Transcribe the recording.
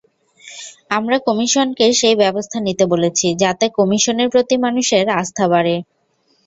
আমরা কমিশনকে সেই ব্যবস্থা নিতে বলেছি, যাতে কমিশনের প্রতি মানুষের আস্থা বাড়ে।